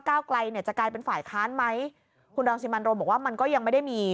ไกลเนี่ยจะกลายเป็นฝ่ายค้านไหมคุณรังสิมันโรมบอกว่ามันก็ยังไม่ได้มี